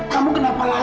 kamu gak apa apa